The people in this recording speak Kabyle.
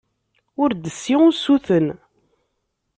Ur d-tessi usuten.